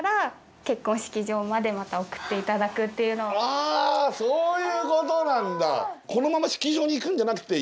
あそういうことなんだ。